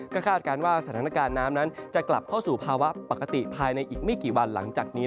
ก็คาดการณ์ว่าสถานการณ์น้ำนั้นจะกลับเข้าสู่ภาวะปกติภายในอีกไม่กี่วันหลังจากนี้